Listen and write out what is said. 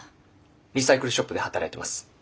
リサイクルショップで働いてます。